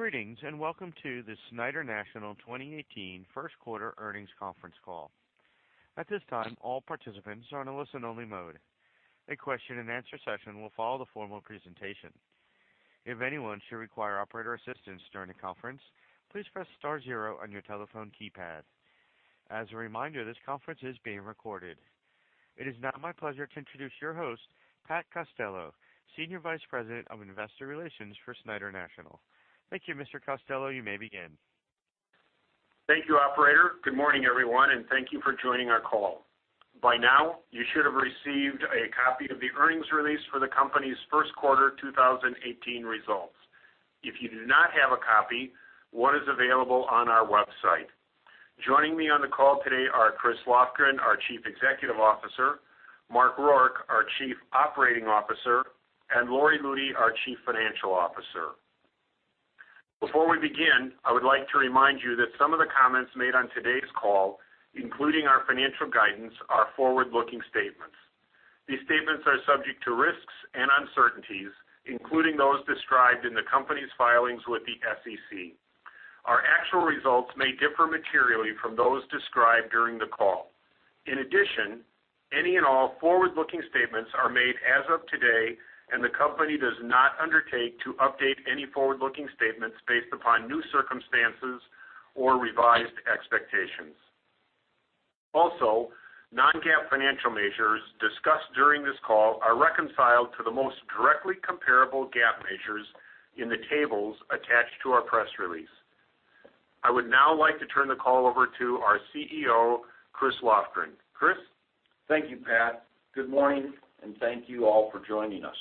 Greetings and welcome to the Schneider National 2018 First Quarter Earnings Conference Call. At this time, all participants are in a listen-only mode. A question-and-answer session will follow the formal presentation. If anyone should require operator assistance during the conference, please press star zero on your telephone keypad. As a reminder, this conference is being recorded. It is now my pleasure to introduce your host, Pat Costello, Senior Vice President of Investor Relations for Schneider National. Thank you, Mr. Costello. You may begin. Thank you, operator. Good morning, everyone, and thank you for joining our call. By now, you should have received a copy of the earnings release for the company's first quarter 2018 results. If you do not have a copy, one is available on our website. Joining me on the call today are Chris Lofgren, our Chief Executive Officer; Mark Rourke, our Chief Operating Officer; and Lori Lutey, our Chief Financial Officer. Before we begin, I would like to remind you that some of the comments made on today's call, including our financial guidance, are forward-looking statements. These statements are subject to risks and uncertainties, including those described in the company's filings with the SEC. Our actual results may differ materially from those described during the call. In addition, any and all forward-looking statements are made as of today, and the company does not undertake to update any forward-looking statements based upon new circumstances or revised expectations. Also, non-GAAP financial measures discussed during this call are reconciled to the most directly comparable GAAP measures in the tables attached to our press release. I would now like to turn the call over to our CEO, Chris Lofgren. Chris? Thank you, Pat. Good morning, and thank you all for joining us.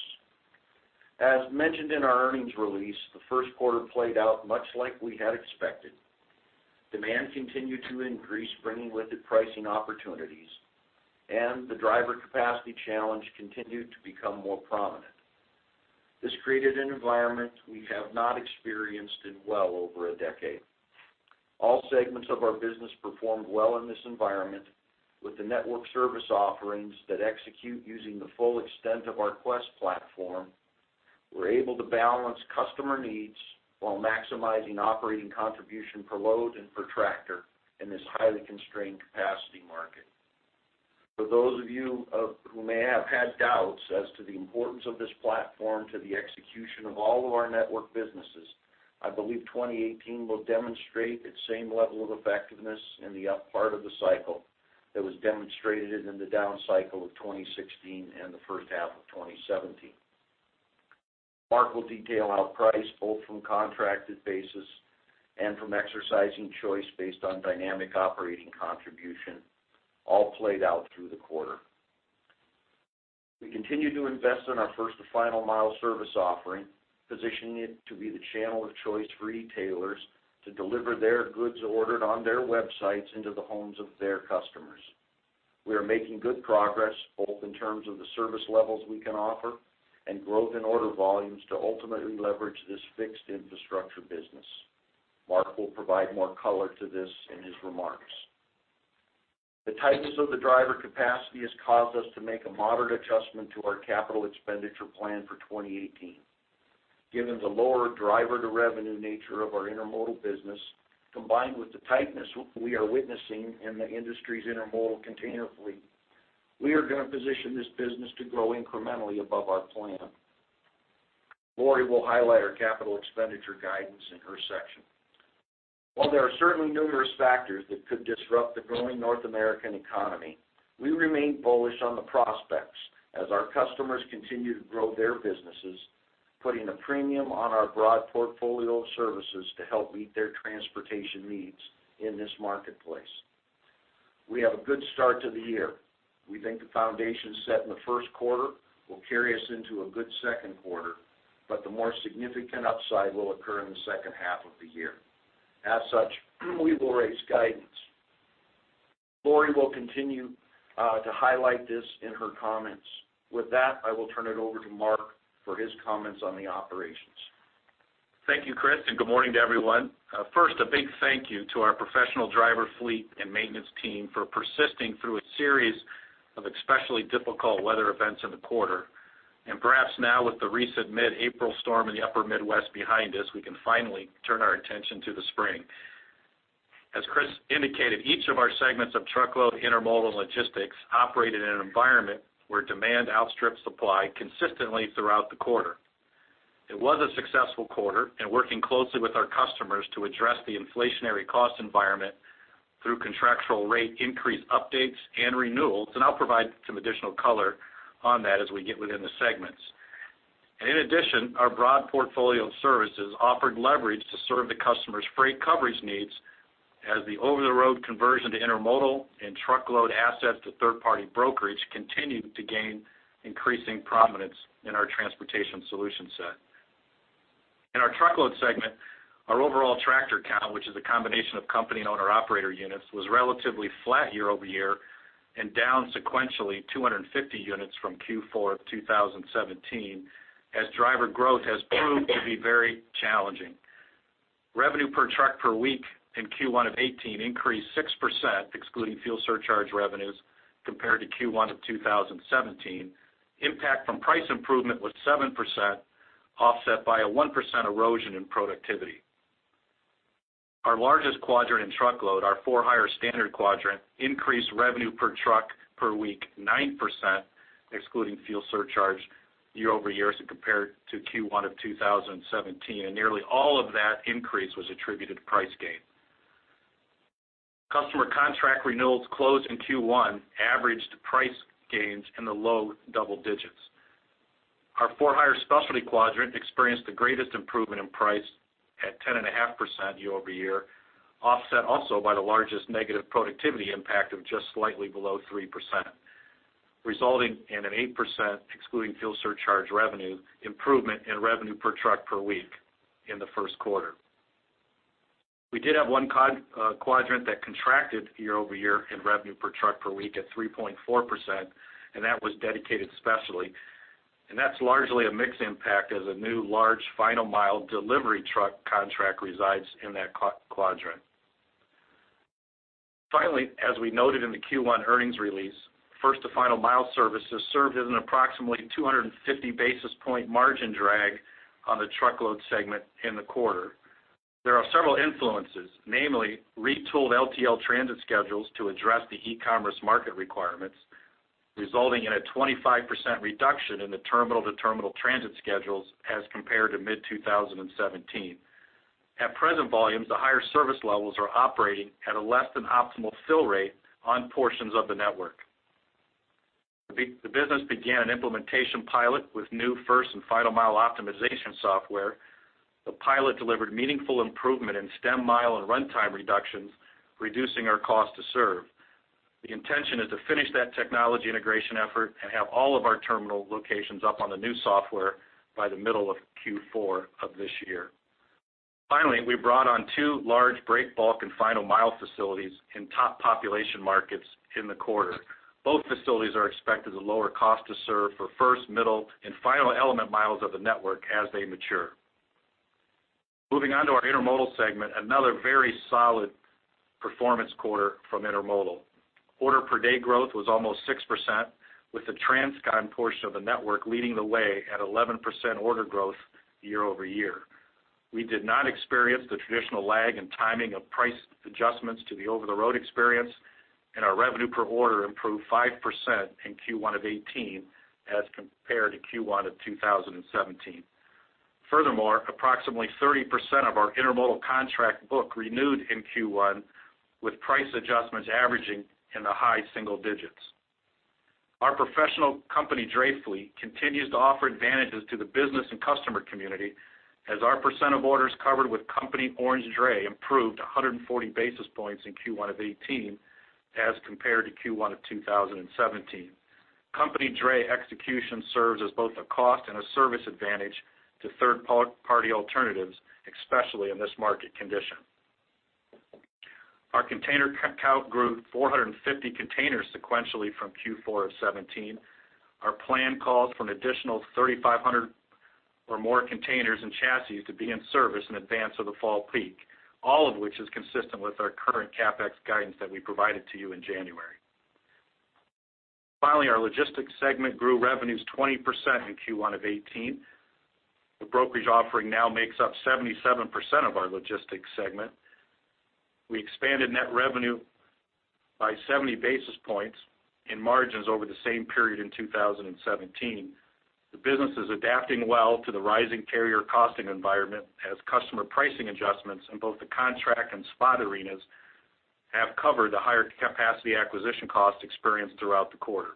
As mentioned in our earnings release, the first quarter played out much like we had expected. Demand continued to increase, bringing with it pricing opportunities, and the driver capacity challenge continued to become more prominent. This created an environment we have not experienced in well over a decade. All segments of our business performed well in this environment. With the network service offerings that execute using the full extent of our Quest platform, we're able to balance customer needs while maximizing operating contribution per load and per tractor in this highly constrained capacity market. For those of you who may have had doubts as to the importance of this platform to the execution of all of our network businesses, I believe 2018 will demonstrate its same level of effectiveness in the up part of the cycle that was demonstrated in the down cycle of 2016 and the first half of 2017. Mark will detail how price, both from contracted basis and from exercising choice based on dynamic operating contribution, all played out through the quarter. We continue to invest in our First to Final Mile service offering, positioning it to be the channel of choice for retailers to deliver their goods ordered on their websites into the homes of their customers. We are making good progress, both in terms of the service levels we can offer and growth in order volumes to ultimately leverage this fixed infrastructure business. Mark will provide more color to this in his remarks. The tightness of the driver capacity has caused us to make a moderate adjustment to our capital expenditure plan for 2018. Given the lower driver-to-revenue nature of our intermodal business, combined with the tightness we are witnessing in the industry's intermodal container fleet, we are going to position this business to grow incrementally above our plan. Lori will highlight our capital expenditure guidance in her section. While there are certainly numerous factors that could disrupt the growing North American economy, we remain bullish on the prospects as our customers continue to grow their businesses, putting a premium on our broad portfolio of services to help meet their transportation needs in this marketplace. We have a good start to the year. We think the foundations set in the first quarter will carry us into a good second quarter, but the more significant upside will occur in the second half of the year. As such, we will raise guidance. Lori will continue to highlight this in her comments. With that, I will turn it over to Mark for his comments on the operations. Thank you, Chris, and good morning to everyone. First, a big thank you to our professional driver fleet and maintenance team for persisting through a series of especially difficult weather events in the quarter. Perhaps now, with the recent mid-April storm in the Upper Midwest behind us, we can finally turn our attention to the spring. As Chris indicated, each of our segments of truckload intermodal logistics operated in an environment where demand outstrips supply consistently throughout the quarter. It was a successful quarter in working closely with our customers to address the inflationary cost environment through contractual rate increase updates and renewals. I'll provide some additional color on that as we get within the segments. In addition, our broad portfolio of services offered leverage to serve the customer's freight coverage needs as the over-the-road conversion to intermodal and truckload assets to third-party brokerage continued to gain increasing prominence in our transportation solution set. In our truckload segment, our overall tractor count, which is a combination of company and owner-operator units, was relatively flat year-over-year and down sequentially 250 units from Q4 of 2017 as driver growth has proved to be very challenging. Revenue per truck per week in Q1 of 2018 increased 6%, excluding fuel surcharge revenues, compared to Q1 of 2017. Impact from price improvement was 7%, offset by a 1% erosion in productivity. Our largest quadrant in truckload, our for-hire standard quadrant, increased revenue per truck per week 9%, excluding fuel surcharge year-over-year as it compared to Q1 of 2017. Nearly all of that increase was attributed to price gain. Customer contract renewals closed in Q1 averaged price gains in the low double digits. Our for-hire specialty quadrant experienced the greatest improvement in price at 10.5% year-over-year, offset also by the largest negative productivity impact of just slightly below 3%, resulting in an 8%, excluding fuel surcharge revenue, improvement in revenue per truck per week in the first quarter. We did have one quadrant that contracted year-over-year in revenue per truck per week at 3.4%, and that was dedicated specialty. And that's largely a mixed impact as a new large final mile delivery truck contract resides in that quadrant. Finally, as we noted in the Q1 earnings release, first-to-final mile services served as an approximately 250 basis point margin drag on the truckload segment in the quarter. There are several influences, namely retooled LTL transit schedules to address the e-commerce market requirements, resulting in a 25% reduction in the terminal-to-terminal transit schedules as compared to mid-2017. At present volumes, the higher service levels are operating at a less than optimal fill rate on portions of the network. The business began an implementation pilot with new first and final mile optimization software. The pilot delivered meaningful improvement in stem mile and runtime reductions, reducing our cost to serve. The intention is to finish that technology integration effort and have all of our terminal locations up on the new software by the middle of Q4 of this year. Finally, we brought on two large break bulk and final mile facilities in top population markets in the quarter. Both facilities are expected to lower cost to serve for first, middle, and final element miles of the network as they mature. Moving on to our intermodal segment, another very solid performance quarter from intermodal. Order-per-day growth was almost 6%, with the Transcon portion of the network leading the way at 11% order growth year-over-year. We did not experience the traditional lag in timing of price adjustments to the over-the-road experience, and our revenue per order improved 5% in Q1 of 2018 as compared to Q1 of 2017. Furthermore, approximately 30% of our intermodal contract book renewed in Q1, with price adjustments averaging in the high single digits. Our professional company dray fleet continues to offer advantages to the business and customer community as our percent of orders covered with company-owned dray improved 140 basis points in Q1 of 2018 as compared to Q1 of 2017. Company dray execution serves as both a cost and a service advantage to third-party alternatives, especially in this market condition. Our container count grew 450 containers sequentially from Q4 of 2017. Our plan calls for an additional 3,500 or more containers and chassis to be in service in advance of the fall peak, all of which is consistent with our current CapEx guidance that we provided to you in January. Finally, our logistics segment grew revenues 20% in Q1 of 2018. The brokerage offering now makes up 77% of our logistics segment. We expanded net revenue by 70 basis points in margins over the same period in 2017. The business is adapting well to the rising carrier costing environment as customer pricing adjustments in both the contract and spot arenas have covered the higher capacity acquisition cost experienced throughout the quarter.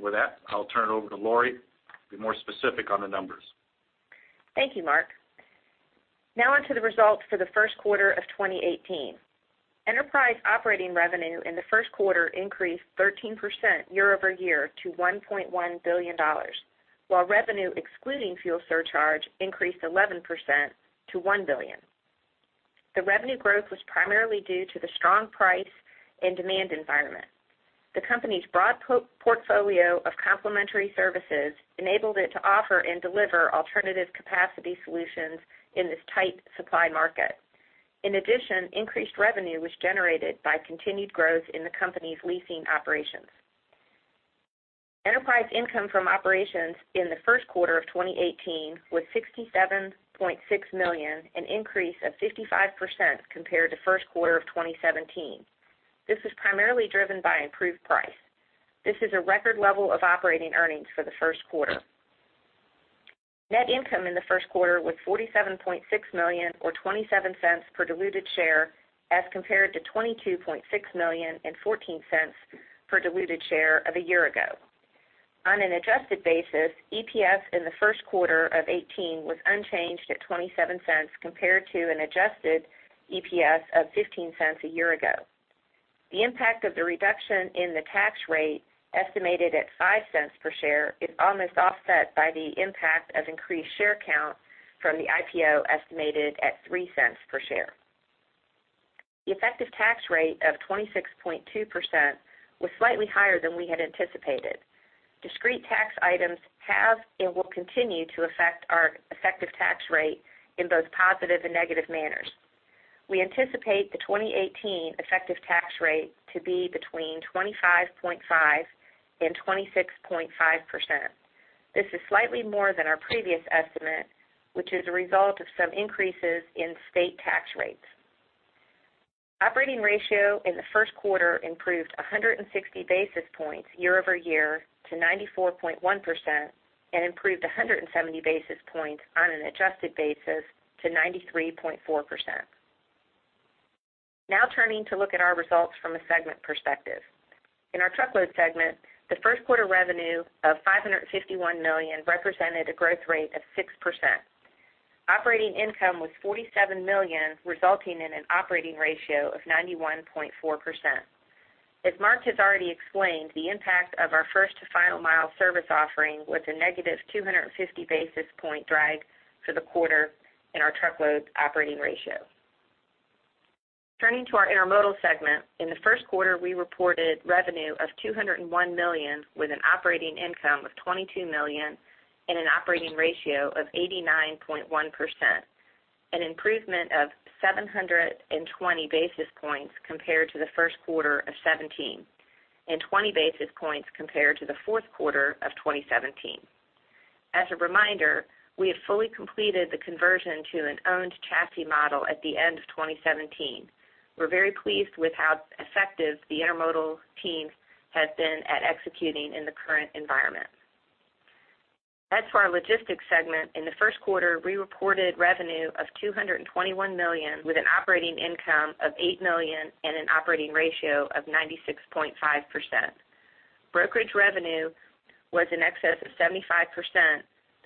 With that, I'll turn it over to Lori to be more specific on the numbers. Thank you, Mark. Now onto the results for the first quarter of 2018. Enterprise operating revenue in the first quarter increased 13% year-over-year to $1.1 billion, while revenue excluding fuel surcharge increased 11% to $1 billion. The revenue growth was primarily due to the strong price and demand environment. The company's broad portfolio of complementary services enabled it to offer and deliver alternative capacity solutions in this tight supply market. In addition, increased revenue was generated by continued growth in the company's leasing operations. Enterprise income from operations in the first quarter of 2018 was $67.6 million, an increase of 55% compared to first quarter of 2017. This was primarily driven by improved price. This is a record level of operating earnings for the first quarter. Net income in the first quarter was $47.6 million or $0.27 per diluted share as compared to $22.6 million and $0.14 per diluted share of a year ago. On an adjusted basis, EPS in the first quarter of 2018 was unchanged at $0.27 compared to an adjusted EPS of $0.15 a year ago. The impact of the reduction in the tax rate estimated at $0.05 per share is almost offset by the impact of increased share count from the IPO estimated at $0.03 per share. The effective tax rate of 26.2% was slightly higher than we had anticipated. Discrete tax items have and will continue to affect our effective tax rate in both positive and negative manners. We anticipate the 2018 effective tax rate to be between 25.5% and 26.5%. This is slightly more than our previous estimate, which is a result of some increases in state tax rates. Operating ratio in the first quarter improved 160 basis points year-over-year to 94.1% and improved 170 basis points on an adjusted basis to 93.4%. Now turning to look at our results from a segment perspective. In our Truckload segment, the first quarter revenue of $551 million represented a growth rate of 6%. Operating income was $47 million, resulting in an operating ratio of 91.4%. As Mark has already explained, the impact of our First-to-Final Mile service offering was a negative 250 basis point drag for the quarter in our Truckload operating ratio. Turning to our intermodal segment, in the first quarter, we reported revenue of $201 million with an operating income of $22 million and an operating ratio of 89.1%, an improvement of 720 basis points compared to the first quarter of 2017 and 20 basis points compared to the fourth quarter of 2017. As a reminder, we have fully completed the conversion to an owned chassis model at the end of 2017. We're very pleased with how effective the intermodal team has been at executing in the current environment. As for our logistics segment, in the first quarter, we reported revenue of $221 million with an operating income of $8 million and an operating ratio of 96.5%. Brokerage revenue was in excess of 75%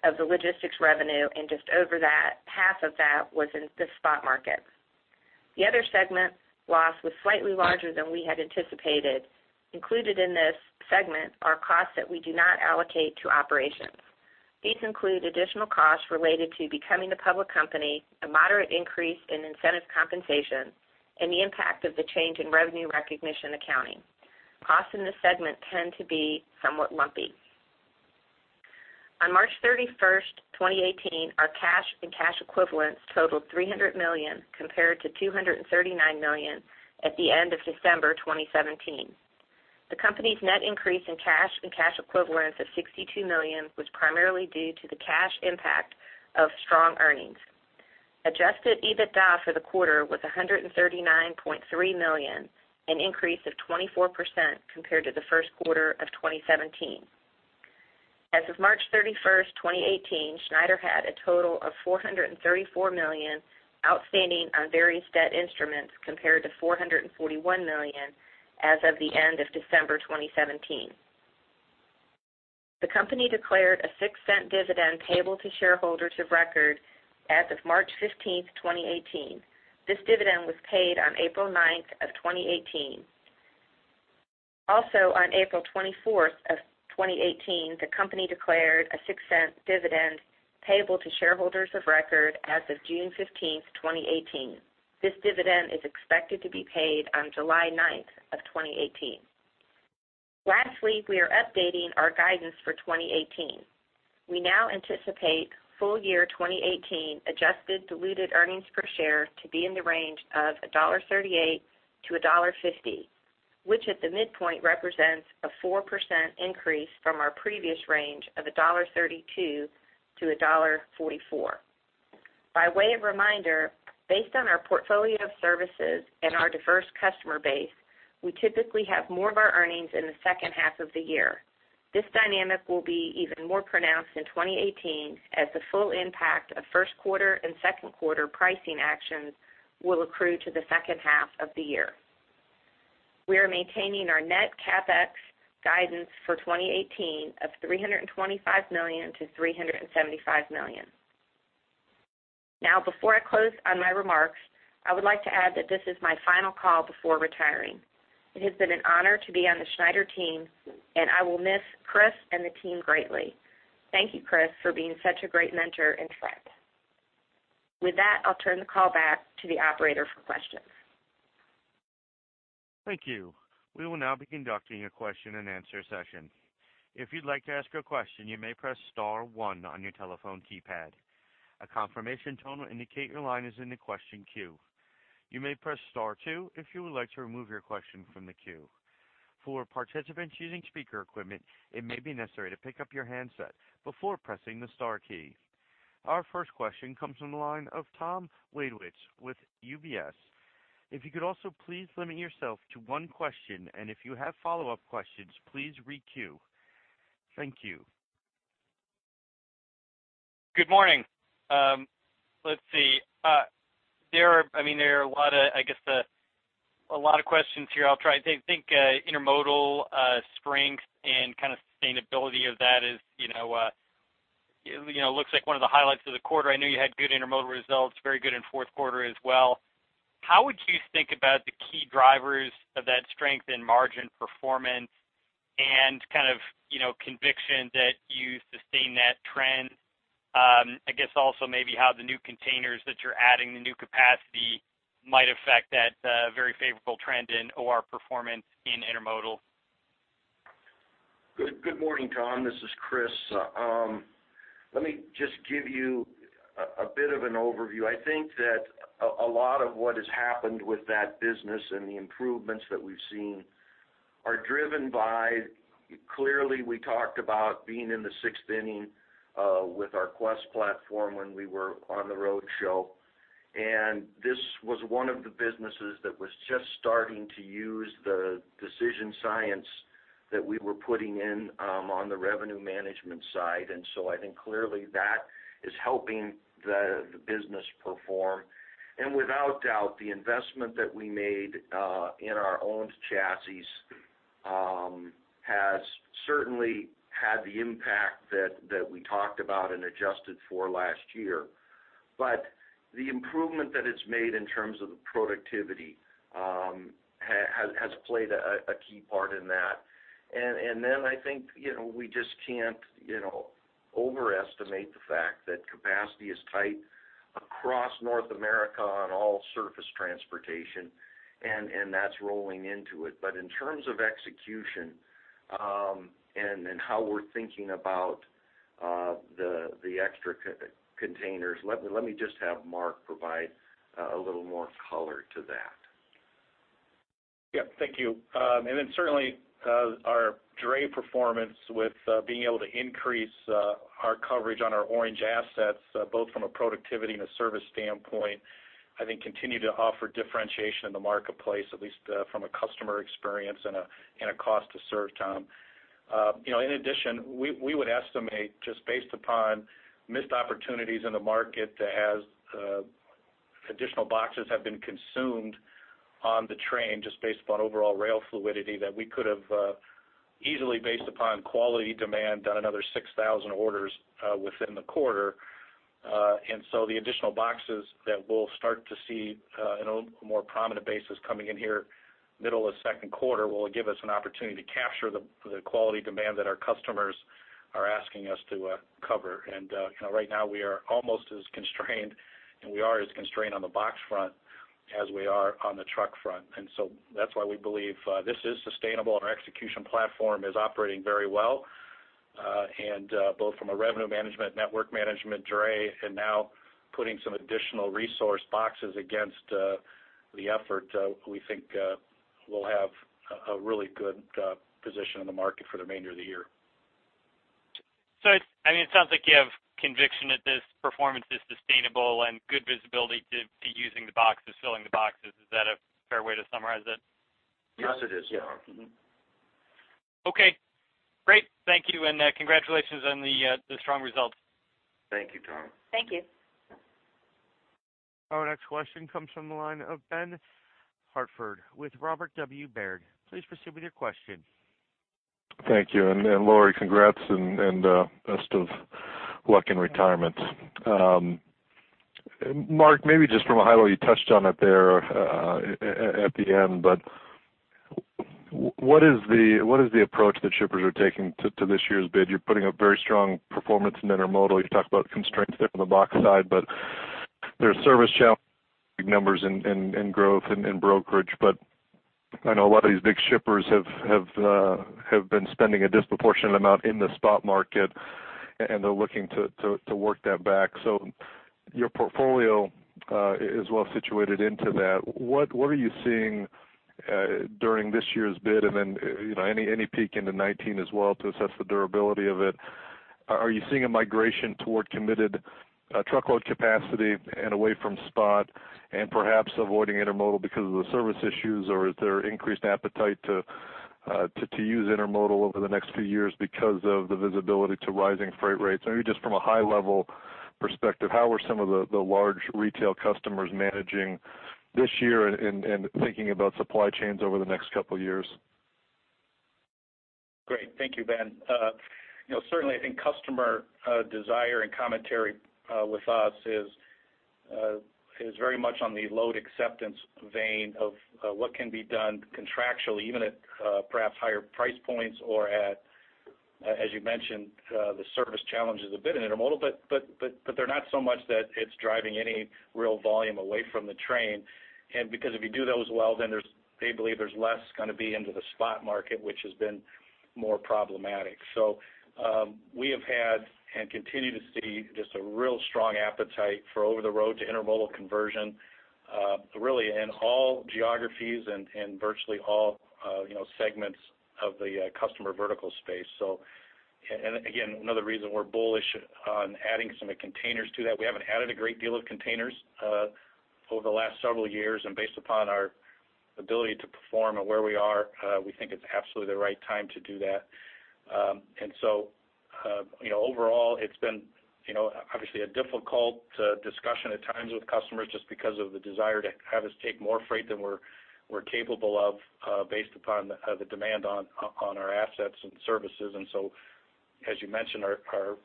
of the logistics revenue, and just over that, half of that was in the spot market. The other segment loss was slightly larger than we had anticipated. Included in this segment are costs that we do not allocate to operations. These include additional costs related to becoming a public company, a moderate increase in incentive compensation, and the impact of the change in revenue recognition accounting. Costs in this segment tend to be somewhat lumpy. On March 31st, 2018, our cash and cash equivalents totaled $300 million compared to $239 million at the end of December 2017. The company's net increase in cash and cash equivalents of $62 million was primarily due to the cash impact of strong earnings. Adjusted EBITDA for the quarter was $139.3 million, an increase of 24% compared to the first quarter of 2017. As of March 31st, 2018, Schneider had a total of $434 million outstanding on various debt instruments compared to $441 million as of the end of December 2017. The company declared a $0.06 dividend payable to shareholders of record as of March 15th, 2018. This dividend was paid on April 9th of 2018. Also, on April 24th of 2018, the company declared a $0.06 dividend payable to shareholders of record as of June 15th, 2018. This dividend is expected to be paid on July 9th of 2018. Lastly, we are updating our guidance for 2018. We now anticipate full year 2018 adjusted diluted earnings per share to be in the range of $1.38-$1.50, which at the midpoint represents a 4% increase from our previous range of $1.32-$1.44. By way of reminder, based on our portfolio of services and our diverse customer base, we typically have more of our earnings in the second half of the year. This dynamic will be even more pronounced in 2018 as the full impact of first quarter and second quarter pricing actions will accrue to the second half of the year. We are maintaining our net CapEx guidance for 2018 of $325 million-$375 million. Now, before I close on my remarks, I would like to add that this is my final call before retiring. It has been an honor to be on the Schneider team, and I will miss Chris and the team greatly. Thank you, Chris, for being such a great mentor and friend. With that, I'll turn the call back to the operator for questions. Thank you. We will now begin conducting a question and answer session. If you'd like to ask a question, you may press star one on your telephone keypad. A confirmation tone will indicate your line is in the question queue. You may press star two if you would like to remove your question from the queue. For participants using speaker equipment, it may be necessary to pick up your handset before pressing the star key. Our first question comes from the line of Tom Wadewitz with UBS. If you could also please limit yourself to one question, and if you have follow-up questions, please re-queue. Thank you. Good morning. Let's see. There are, I mean, there are a lot of, I guess, a lot of questions here. I'll try to think, intermodal strength and kind of sustainability of that is, you know, looks like one of the highlights of the quarter. I know you had good intermodal results, very good in fourth quarter as well. How would you think about the key drivers of that strength in margin performance and kind of, you know, conviction that you sustain that trend? I guess also maybe how the new containers that you're adding, the new capacity, might affect that, very favorable trend in OR performance in intermodal. Good morning, Tom. This is Chris. Let me just give you a bit of an overview. I think that a lot of what has happened with that business and the improvements that we've seen are driven by clearly, we talked about being in the sixth inning with our Quest platform when we were on the roadshow. And this was one of the businesses that was just starting to use the decision science that we were putting in on the revenue management side. And so I think clearly that is helping the business perform. And without doubt, the investment that we made in our owned chassis has certainly had the impact that we talked about and adjusted for last year. But the improvement that it's made in terms of the productivity has played a key part in that. And then I think, you know, we just can't, you know, overestimate the fact that capacity is tight across North America on all surface transportation, and that's rolling into it. But in terms of execution, and how we're thinking about the extra containers, let me just have Mark provide a little more color to that. Yep. Thank you. And then certainly, our dray performance with being able to increase our coverage on our orange assets, both from a productivity and a service standpoint, I think continue to offer differentiation in the marketplace, at least from a customer experience and a cost to serve, Tom. You know, in addition, we would estimate just based upon missed opportunities in the market as additional boxes have been consumed on the train, just based upon overall rail fluidity, that we could have easily, based upon quality demand, done another 6,000 orders within the quarter. And so the additional boxes that we'll start to see in a little more prominent basis coming in here middle of second quarter will give us an opportunity to capture the quality demand that our customers are asking us to cover. You know, right now, we are almost as constrained, and we are as constrained on the box front as we are on the truck front. So that's why we believe this is sustainable. Our execution platform is operating very well, and both from a revenue management, network management, dray, and now putting some additional resource boxes against the effort, we think we'll have a really good position in the market for the remainder of the year. So it's – I mean, it sounds like you have conviction that this performance is sustainable and good visibility to using the boxes, filling the boxes. Is that a fair way to summarize it? Yes, it is. Yeah. Mm-hmm. Okay. Great. Thank you. And, congratulations on the strong results. Thank you, Tom. Thank you. Our next question comes from the line of Ben Hartford with Robert W. Baird. Please proceed with your question. Thank you. And Lori, congrats and best of luck in retirement. Mark, maybe just from a high level, you touched on it there, at the end, but what is the approach that shippers are taking to this year's bid? You're putting up very strong performance in intermodal. You talk about constraints there on the box side, but there are service challenges, big numbers in growth and brokerage. But I know a lot of these big shippers have been spending a disproportionate amount in the spot market, and they're looking to work that back. So your portfolio is well situated into that. What are you seeing during this year's bid? And then, you know, any peek into 2019 as well to assess the durability of it. Are you seeing a migration toward committed truckload capacity and away from spot and perhaps avoiding intermodal because of the service issues? Or is there increased appetite to use intermodal over the next few years because of the visibility to rising freight rates? Maybe just from a high-level perspective, how are some of the large retail customers managing this year and thinking about supply chains over the next couple of years? Great. Thank you, Ben. You know, certainly, I think customer desire and commentary with us is very much on the load acceptance vein of what can be done contractually, even at perhaps higher price points or at, as you mentioned, the service challenges a bit in intermodal. But they're not so much that it's driving any real volume away from the train. And because if you do those well, then there's they believe there's less gonna be into the spot market, which has been more problematic. So we have had and continue to see just a real strong appetite for over-the-road to intermodal conversion, really in all geographies and virtually all, you know, segments of the customer vertical space. So and again, another reason we're bullish on adding some containers to that. We haven't added a great deal of containers over the last several years. And based upon our ability to perform and where we are, we think it's absolutely the right time to do that. And so, you know, overall, it's been, you know, obviously, a difficult discussion at times with customers just because of the desire to have us take more freight than we're capable of, based upon the demand on our assets and services. And so, as you mentioned, our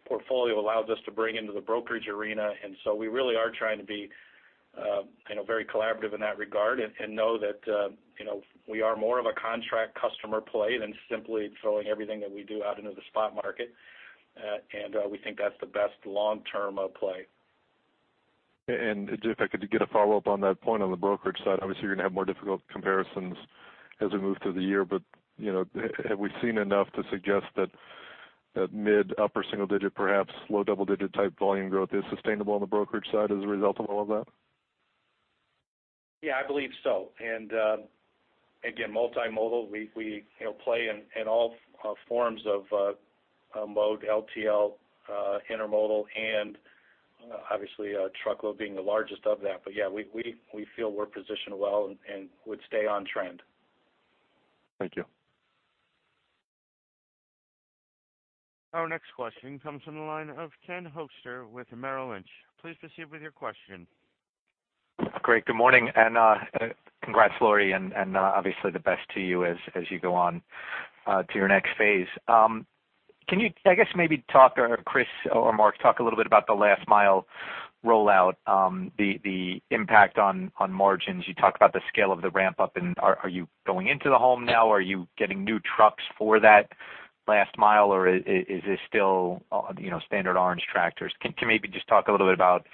portfolio allowed us to bring into the brokerage arena. And so we really are trying to be, you know, very collaborative in that regard and know that, you know, we are more of a contract customer play than simply throwing everything that we do out into the spot market. And we think that's the best long-term play. And if I could get a follow-up on that point on the brokerage side, obviously, you're gonna have more difficult comparisons as we move through the year. But, you know, have we seen enough to suggest that mid-upper single-digit, perhaps low-double-digit type volume growth is sustainable on the brokerage side as a result of all of that? Yeah, I believe so. And, again, multimodal, we, you know, play in all forms of mode: LTL, intermodal, and, obviously, truckload being the largest of that. But yeah, we feel we're positioned well and would stay on trend. Thank you. Our next question comes from the line of Ken Hoexter with Merrill Lynch. Please proceed with your question. Great. Good morning. And congrats, Lori, and obviously the best to you as you go on to your next phase. Can you, I guess, maybe talk or Chris or Mark talk a little bit about the last-mile rollout, the impact on margins? You talked about the scale of the ramp-up. Are you going into the home now? Are you getting new trucks for that last mile? Or is this still, you know, standard orange tractors? Can maybe just talk a little bit about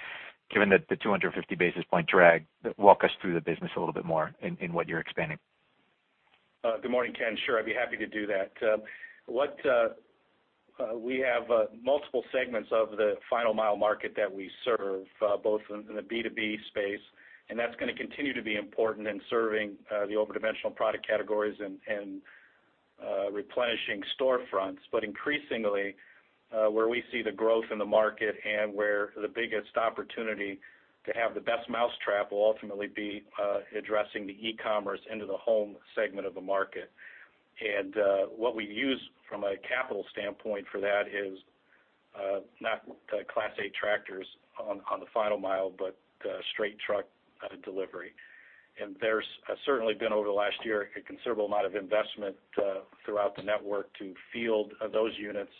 given that the 250 basis points drag, walk us through the business a little bit more in what you're expanding. Good morning, Ken. Sure. I'd be happy to do that. We have multiple segments of the final-mile market that we serve, both in the B2B space. And that's gonna continue to be important in serving the overdimensional product categories and replenishing storefronts. But increasingly, where we see the growth in the market and where the biggest opportunity to have the best mousetrap will ultimately be addressing the e-commerce into the home segment of the market. And what we use from a capital standpoint for that is not Class 8 tractors on the final mile but straight truck delivery. And there's certainly been over the last year a considerable amount of investment throughout the network to field those units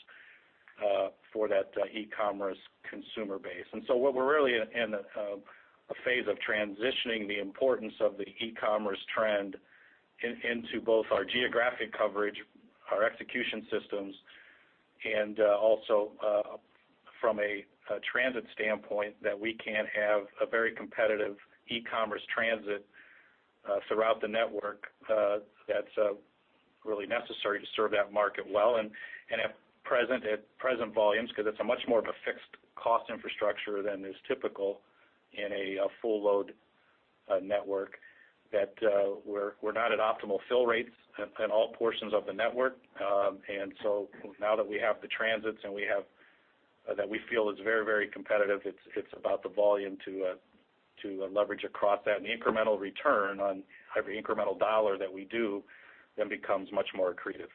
for that e-commerce consumer base. And so what we're really in a phase of transitioning the importance of the e-commerce trend into both our geographic coverage, our execution systems, and also from a transit standpoint that we can have a very competitive e-commerce transit throughout the network that's really necessary to serve that market well. And at present volumes 'cause it's much more of a fixed-cost infrastructure than is typical in a full-load network that we're not at optimal fill rates in all portions of the network. And so now that we have the transits and we have that we feel is very competitive, it's about the volume to leverage across that. And the incremental return on every incremental dollar that we do then becomes much more accretive.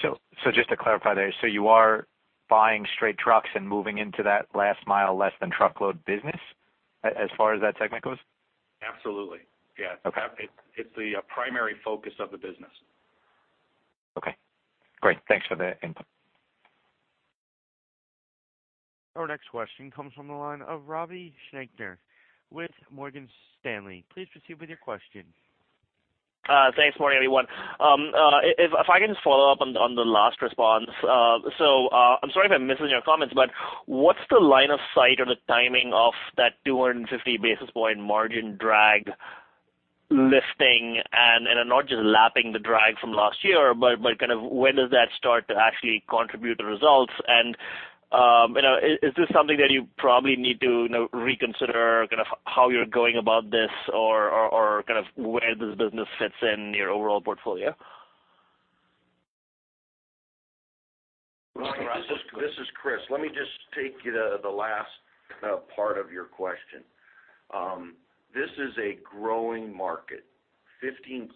So, just to clarify there, so you are buying straight trucks and moving into that last-mile less-than-truckload business as far as that segment goes? Absolutely. Yeah. Okay. It's the primary focus of the business. Okay. Great. Thanks for the input. Our next question comes from the line of Ravi Shanker with Morgan Stanley. Please proceed with your question. Thanks, morning, everyone. If I can just follow up on the last response. So, I'm sorry if I'm missing your comments, but what's the line of sight or the timing of that 250 basis point margin drag lifting and not just lapping the drag from last year, but kind of when does that start to actually contribute to results? And, you know, is this something that you probably need to, you know, reconsider kind of how you're going about this or kind of where this business fits in your overall portfolio? Well, this is Chris. Let me just take the last part of your question. This is a growing market, 15%+.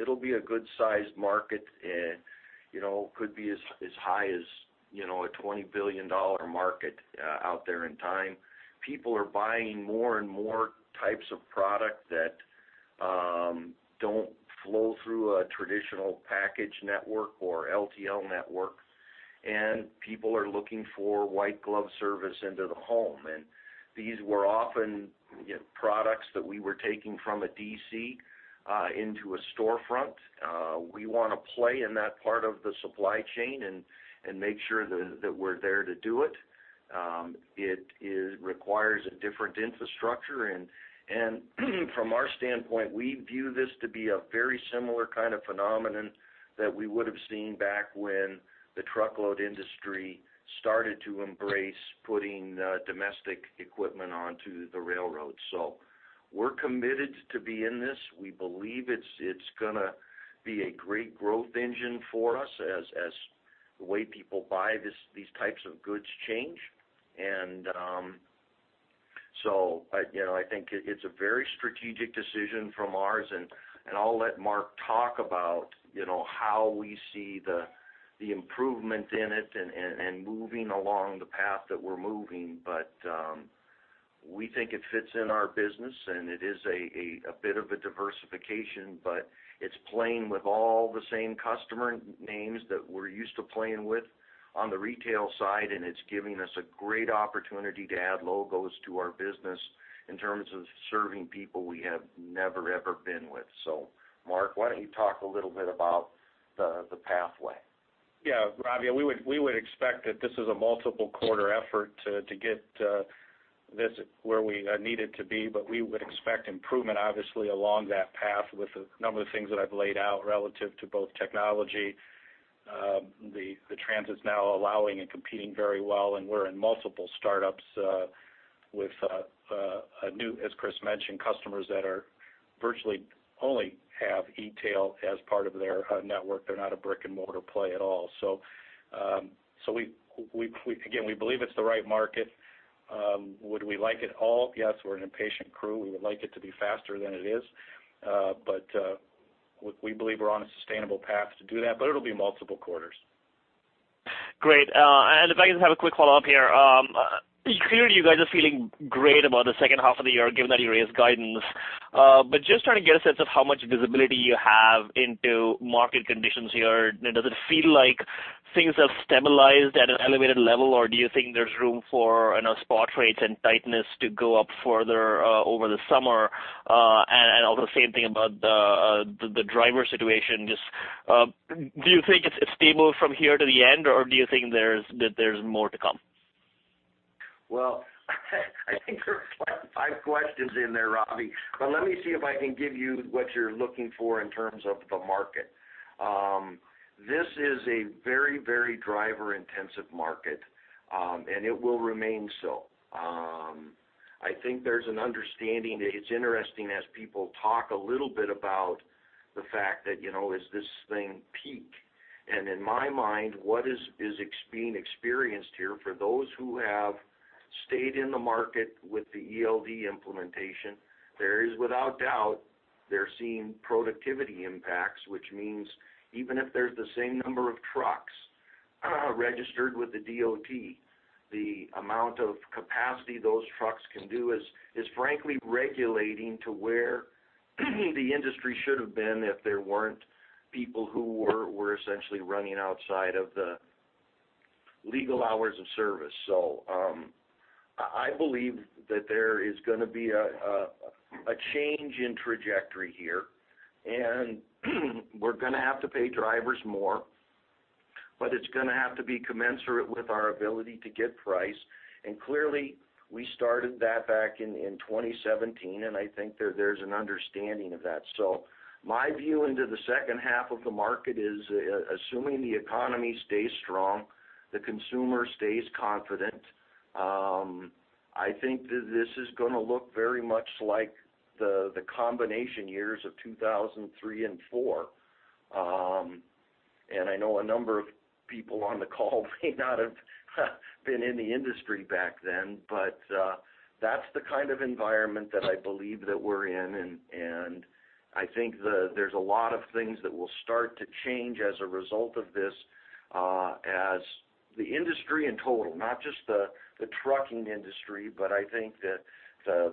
It'll be a good-sized market. It, you know, could be as high as, you know, a $20 billion market out there in time. People are buying more and more types of product that don't flow through a traditional package network or LTL network. And people are looking for white-glove service into the home. And these were often, you know, products that we were taking from a DC into a storefront. We wanna play in that part of the supply chain and make sure that we're there to do it. It requires a different infrastructure. From our standpoint, we view this to be a very similar kind of phenomenon that we would have seen back when the truckload industry started to embrace putting domestic equipment onto the railroads. So we're committed to be in this. We believe it's gonna be a great growth engine for us as the way people buy these types of goods change. So, you know, I think it's a very strategic decision from ours. And I'll let Mark talk about, you know, how we see the improvement in it and moving along the path that we're moving. But we think it fits in our business. And it is a bit of a diversification. But it's playing with all the same customer names that we're used to playing with on the retail side. It's giving us a great opportunity to add logos to our business in terms of serving people we have never, ever been with. Mark, why don't you talk a little bit about the pathway? Yeah, Ravi. We would we would expect that this is a multiple-quarter effort to, to get, this where we, need it to be. But we would expect improvement, obviously, along that path with a number of things that I've laid out relative to both technology, the, the transit's now allowing and competing very well. And we're in multiple startups, with, a new, as Chris mentioned, customers that are virtually only have e-tail as part of their, network. They're not a brick-and-mortar play at all. So, so we, we, we again, we believe it's the right market. Would we like it all? Yes, we're an impatient crew. We would like it to be faster than it is. But, w-we believe we're on a sustainable path to do that. But it'll be multiple quarters. Great. And if I can just have a quick follow-up here. Clearly, you guys are feeling great about the second half of the year given that you raised guidance. But just trying to get a sense of how much visibility you have into market conditions here. Does it feel like things have stabilized at an elevated level? Or do you think there's room for, you know, spot rates and tightness to go up further over the summer? And also same thing about the driver situation. Just, do you think it's stable from here to the end? Or do you think there's more to come? Well, I think there are five, five questions in there, Ravi. But let me see if I can give you what you're looking for in terms of the market. This is a very, very driver-intensive market. It will remain so. I think there's an understanding that it's interesting as people talk a little bit about the fact that, you know, is this thing peak? And in my mind, what is, is being experienced here for those who have stayed in the market with the ELD implementation, there is without doubt they're seeing productivity impacts, which means even if there's the same number of trucks, registered with the DOT, the amount of capacity those trucks can do is, is frankly regulating to where the industry should have been if there weren't people who were, were essentially running outside of the legal hours of service. So, I believe that there is gonna be a change in trajectory here. And we're gonna have to pay drivers more. But it's gonna have to be commensurate with our ability to get price. And clearly, we started that back in 2017. And I think there's an understanding of that. So my view into the second half of the market is, assuming the economy stays strong, the consumer stays confident, I think that this is gonna look very much like the combination years of 2003 and 2004. And I know a number of people on the call may not have been in the industry back then. But that's the kind of environment that I believe that we're in. And I think there's a lot of things that will start to change as a result of this, as the industry in total, not just the trucking industry. But I think that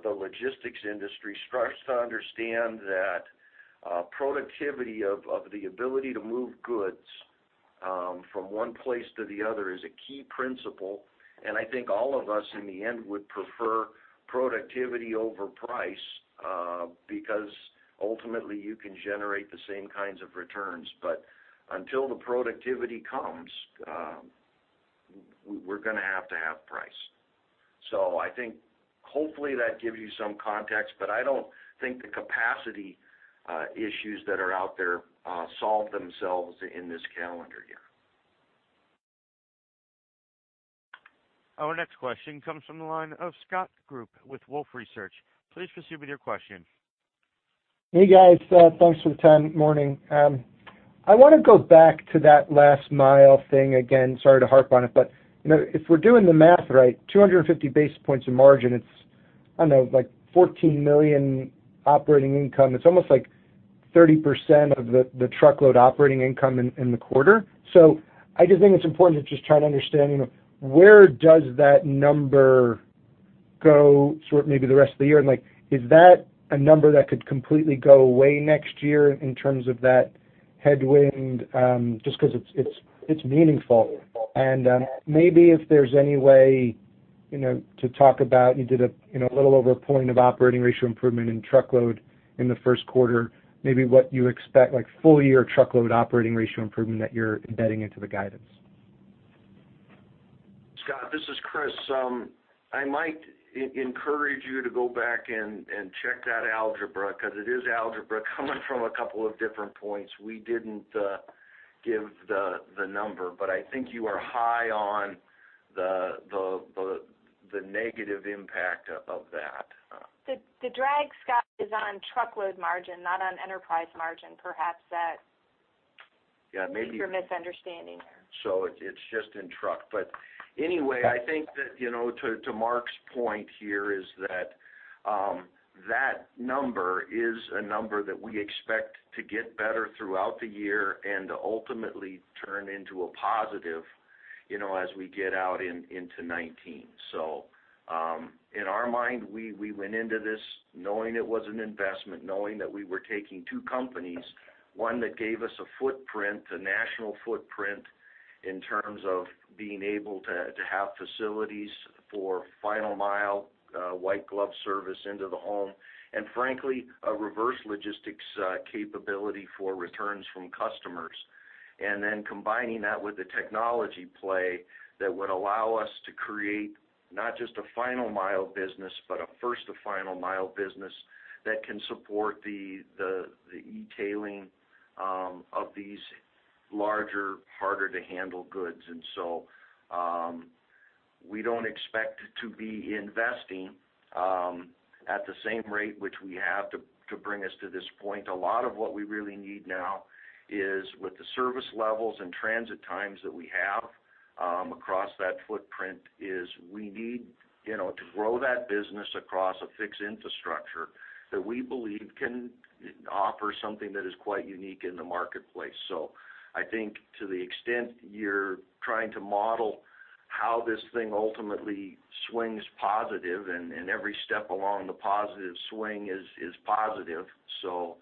the logistics industry starts to understand that productivity of the ability to move goods from one place to the other is a key principle. And I think all of us, in the end, would prefer productivity over price, because ultimately, you can generate the same kinds of returns. But until the productivity comes, we're gonna have to have price. So I think hopefully that gives you some context. But I don't think the capacity issues that are out there solve themselves in this calendar year. Our next question comes from the line of Scott Group with Wolfe Research. Please proceed with your question. Hey, guys. Thanks for the time. Morning. I wanna go back to that last-mile thing again. Sorry to harp on it. But, you know, if we're doing the math right, 250 basis points of margin, it's, I don't know, like $14 million operating income. It's almost like 30% of the truckload operating income in the quarter. So I just think it's important to just try and understand, you know, where does that number go sort of maybe the rest of the year? And, like, is that a number that could completely go away next year in terms of that headwind, just 'cause it's, it's, it's meaningful? And, maybe if there's any way, you know, to talk about you did a little over a point of operating ratio improvement in truckload in the first quarter. Maybe what you expect, like, full-year truckload operating ratio improvement that you're embedding into the guidance. Scott, this is Chris. I might encourage you to go back and check that algebra 'cause it is algebra coming from a couple of different points. We didn't give the number. But I think you are high on the negative impact of that. The drag, Scott, is on truckload margin, not on enterprise margin, perhaps that. Yeah, maybe. There's a misunderstanding there. So it's just in truck. But anyway, I think that, you know, to Mark's point here is that that number is a number that we expect to get better throughout the year and to ultimately turn into a positive, you know, as we get out into 2019. So, in our mind, we went into this knowing it was an investment, knowing that we were taking two companies, one that gave us a footprint, a national footprint in terms of being able to have facilities for final-mile, white-glove service into the home and, frankly, a reverse logistics capability for returns from customers. And then combining that with the technology play that would allow us to create not just a final-mile business but a first-to-final-mile business that can support the e-tailing of these larger, harder-to-handle goods. And so, we don't expect to be investing, at the same rate which we have to, to bring us to this point. A lot of what we really need now is with the service levels and transit times that we have, across that footprint is we need, you know, to grow that business across a fixed infrastructure that we believe can offer something that is quite unique in the marketplace. So I think to the extent you're trying to model how this thing ultimately swings positive and, and every step along the positive swing is, is positive, so,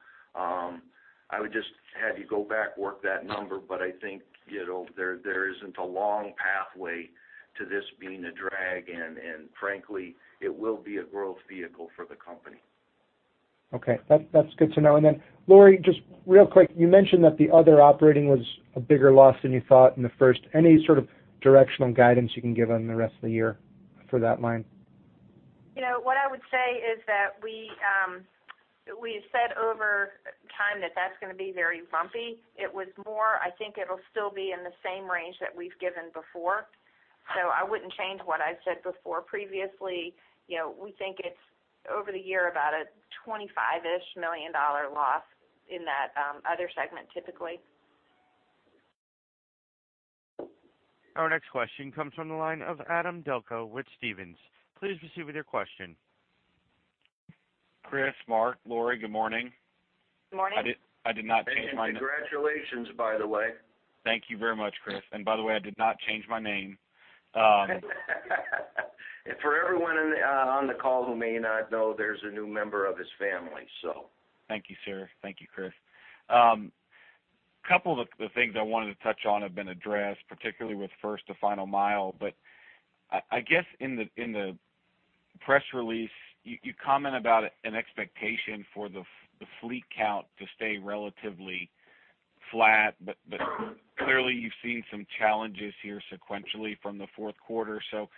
I would just have you go back, work that number. But I think, you know, there, there isn't a long pathway to this being a drag. And, and frankly, it will be a growth vehicle for the company. Okay. That's, that's good to know. And then, Lori, just real quick, you mentioned that the other operating was a bigger loss than you thought in the first. Any sort of directional guidance you can give on the rest of the year for that line? You know, what I would say is that we said over time that that's gonna be very bumpy. It was more I think it'll still be in the same range that we've given before. So I wouldn't change what I said before. Previously, you know, we think it's over the year about a $25-ish million loss in that, other segment typically. Our next question comes from the line of Brad Delco with Stephens. Please proceed with your question. Chris, Mark, Lori, good morning. Good morning. I did not change my name. Congratulations, by the way. Thank you very much, Chris. And by the way, I did not change my name. For everyone on the call who may not know, there's a new member of his family, so. Thank you, sir. Thank you, Chris. A couple of the things I wanted to touch on have been addressed, particularly with first-to-final-mile. But I guess in the press release, you comment about an expectation for the fleet count to stay relatively flat. But clearly, you've seen some challenges here sequentially from the fourth quarter. So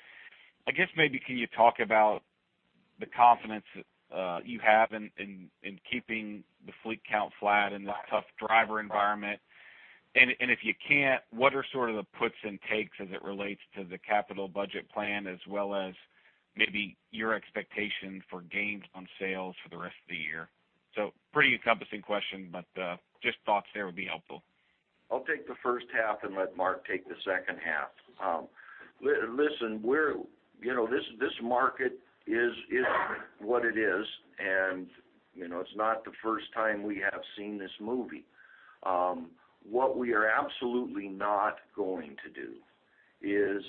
I guess maybe can you talk about the confidence you have in keeping the fleet count flat in this tough driver environment? And if you can't, what are sort of the puts and takes as it relates to the capital budget plan as well as maybe your expectations for gains on sales for the rest of the year? So pretty encompassing question. But just thoughts there would be helpful. I'll take the first half and let Mark take the second half. Listen, we're, you know, this market is what it is. And, you know, it's not the first time we have seen this movie. What we are absolutely not going to do is,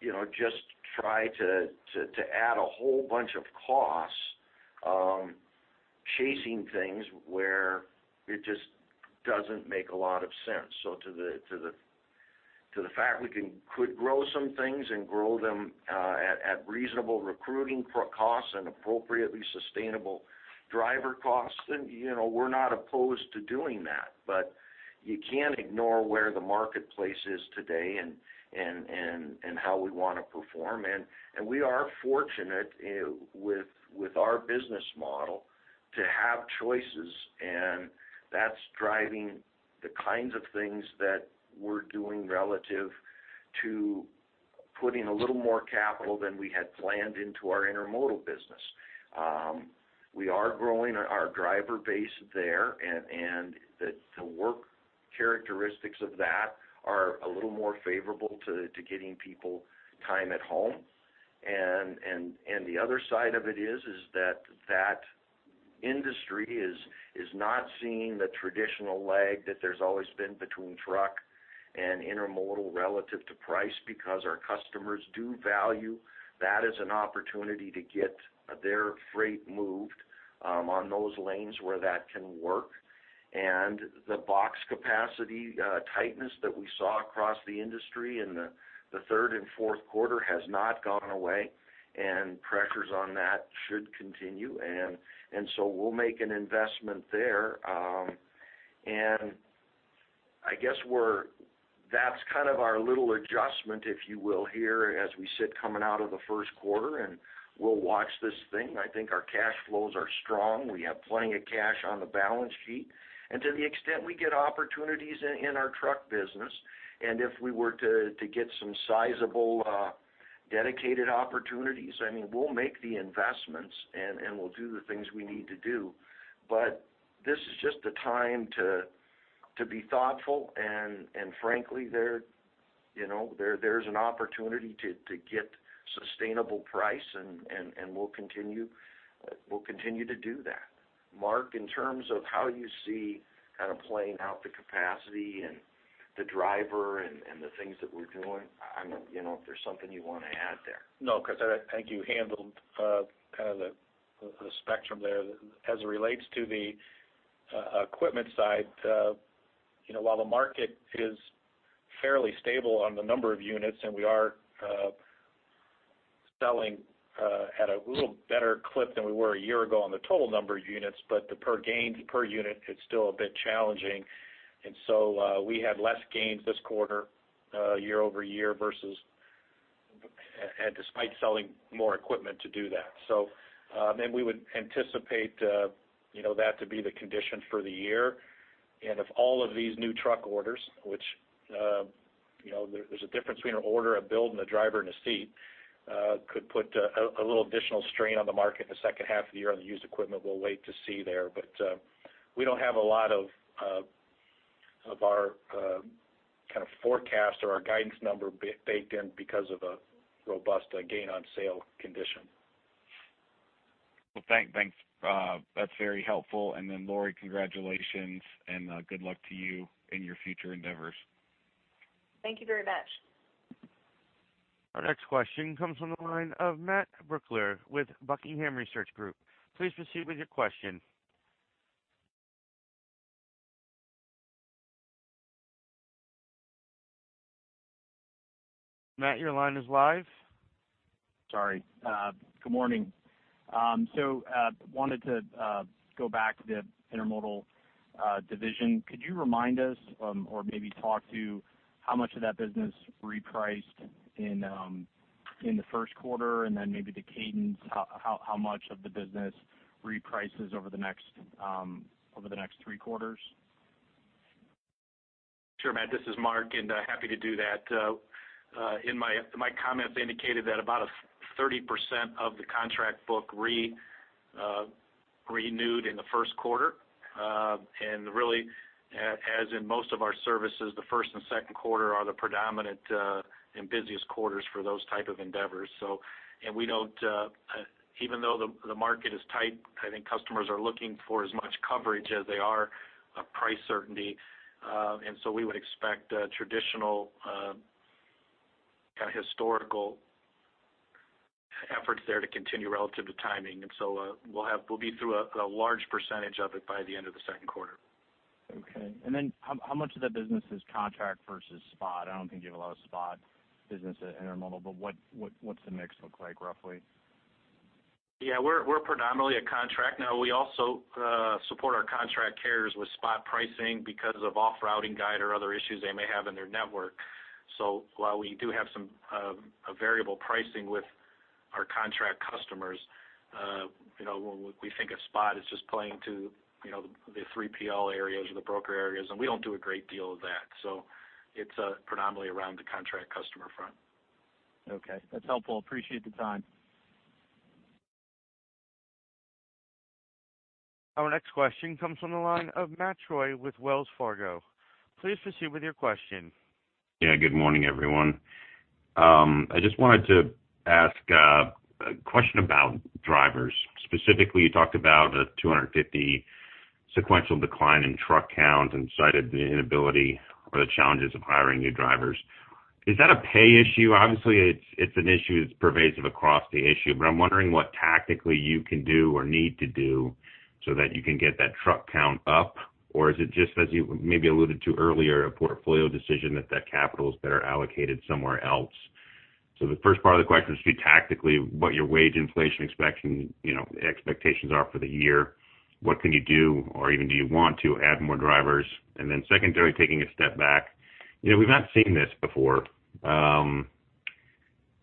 you know, just try to add a whole bunch of costs chasing things where it just doesn't make a lot of sense. So to the fact we can grow some things and grow them at reasonable recruiting costs and appropriately sustainable driver costs, then, you know, we're not opposed to doing that. But you can't ignore where the marketplace is today and how we wanna perform. And we are fortunate with our business model to have choices. And that's driving the kinds of things that we're doing relative to putting a little more capital than we had planned into our intermodal business. We are growing our driver base there. And the work characteristics of that are a little more favorable to getting people time at home. And the other side of it is that that industry is not seeing the traditional lag that there's always been between truck and intermodal relative to price because our customers do value that as an opportunity to get their freight moved on those lanes where that can work. And the box capacity tightness that we saw across the industry in the third and fourth quarter has not gone away. And pressures on that should continue. And so we'll make an investment there. and I guess we're, that's kind of our little adjustment, if you will, here as we sit coming out of the first quarter. And we'll watch this thing. I think our cash flows are strong. We have plenty of cash on the balance sheet. And to the extent we get opportunities in, in our truck business and if we were to, to get some sizable, dedicated opportunities, I mean, we'll make the investments. And, and we'll do the things we need to do. But this is just the time to, to be thoughtful. And, and, frankly, there you know, there, there's an opportunity to, to get sustainable price. And, and, and we'll continue we'll continue to do that. Mark, in terms of how you see kinda playing out the capacity and the driver and, and the things that we're doing, I mean, you know, if there's something you wanna add there. No, 'cause I think you handled kinda the spectrum there as it relates to the equipment side. You know, while the market is fairly stable on the number of units and we are selling at a little better clip than we were a year ago on the total number of units, but the per gains per unit, it's still a bit challenging. And so, we had less gains this quarter, year over year versus and despite selling more equipment to do that. So, and we would anticipate, you know, that to be the condition for the year. And if all of these new truck orders, which, you know, there's a difference between an order, a build, and a driver and a seat, could put a little additional strain on the market in the second half of the year on the used equipment, we'll wait to see there. But we don't have a lot of our kinda forecast or our guidance number based in because of a robust gain-on-sale condition. Well, thanks. That's very helpful. And then, Lori, congratulations. And good luck to you in your future endeavors. Thank you very much. Our next question comes from the line of Matthew Brooklier with Buckingham Research Group. Please proceed with your question. Matt, your line is live. Sorry. Good morning. So, wanted to go back to the Intermodal division. Could you remind us, or maybe talk to how much of that business repriced in the first quarter? And then maybe the cadence, how much of the business reprices over the next three quarters? Sure, Matt. This is Mark. Happy to do that. In my comments indicated that about 30% of the contract book renewed in the first quarter. And really, as in most of our services, the first and second quarter are the predominant, and busiest quarters for those type of endeavors. So and we don't, even though the market is tight, I think customers are looking for as much coverage as they are price certainty. And so we would expect traditional, kinda historical efforts there to continue relative to timing. And so, we'll be through a large percentage of it by the end of the second quarter. Okay. And then how, how much of that business is contract versus spot? I don't think you have a lot of spot business at Intermodal. But what, what, what's the mix look like, roughly? Yeah. We're predominantly a contract. Now, we also support our contract carriers with spot pricing because of off-routing guide or other issues they may have in their network. So while we do have some variable pricing with our contract customers, you know, we think a spot is just playing to, you know, the 3PL areas or the broker areas. And we don't do a great deal of that. So it's predominantly around the contract customer front. Okay. That's helpful. Appreciate the time. Our next question comes from the line of Matt Troy with Wells Fargo. Please proceed with your question. Yeah. Good morning, everyone. I just wanted to ask a question about drivers. Specifically, you talked about a 250 sequential decline in truck count and cited the inability or the challenges of hiring new drivers. Is that a pay issue? Obviously, it's, it's an issue that's pervasive across the issue. But I'm wondering what tactically you can do or need to do so that you can get that truck count up? Or is it just, as you maybe alluded to earlier, a portfolio decision that that capital's better allocated somewhere else? So the first part of the question is to be tactically what your wage inflation expect you know, expectations are for the year. What can you do? Or even do you want to add more drivers? And then secondarily, taking a step back, you know, we've not seen this before.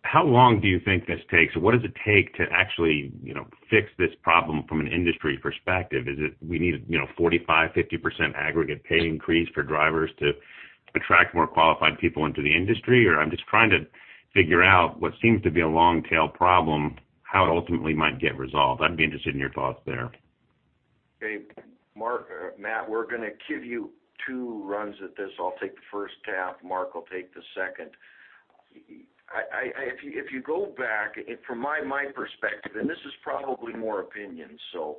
How long do you think this takes? Or what does it take to actually, you know, fix this problem from an industry perspective? Is it we need, you know, 45%-50% aggregate pay increase for drivers to attract more qualified people into the industry? Or I'm just trying to figure out what seems to be a long-tail problem, how it ultimately might get resolved. I'd be interested in your thoughts there. Okay. Mark, Matt, we're gonna give you two runs at this. I'll take the first half. Mark will take the second. If you go back from my perspective and this is probably more opinion, so